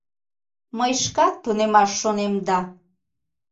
Мый шкат тунемаш шонем да...